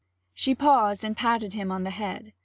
She paused and patted him on the head.